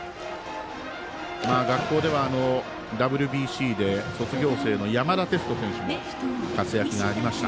学校では、ＷＢＣで卒業生の山田哲人選手も活躍がありました。